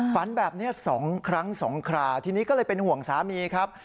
ฝันแบบนี้๒ครั้ง๒คราทีนี้ก็เลยเป็นห่วงสามีครับ